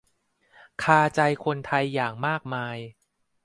คาใจคนไทยอย่างมากมาย